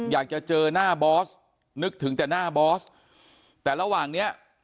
อยากจะเจอหน้าบอสนึกถึงแต่หน้าบอสแต่ระหว่างเนี้ย